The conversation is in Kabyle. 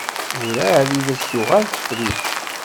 Ur εad i s-d-tuɣal tefrit.